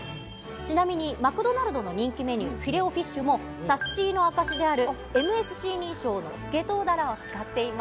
ちなみに、マクドナルドの人気メニュー、フィレオフィッシュもサスシーの証しである、ＭＳＣ認証のスケト